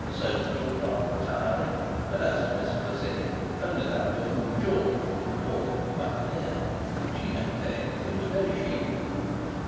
Soames was rather tiring; and as to Mr. Bosinney—only that buffoon George would have called him the Buccaneer—she maintained that he was very chic.